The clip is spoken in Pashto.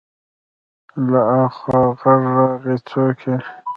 له اخوا غږ راغی: څوک يې؟